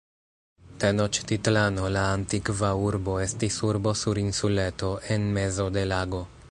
Tenoĉtitlano, la antikva urbo, estis urbo sur insuleto en mezo de lago.